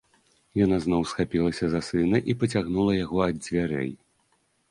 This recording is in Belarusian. Яна зноў схапілася за сына і пацягнула яго ад дзвярэй.